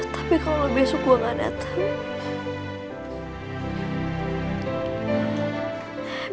tapi kalo besok gue ga dateng